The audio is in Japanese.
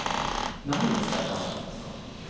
何を伝えたかったんですか？